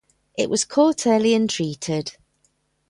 It was caught early and treated.